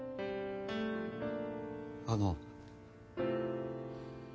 あの。